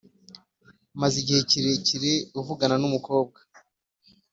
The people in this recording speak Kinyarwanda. maze igihe kirekire uvugana n’umukobwa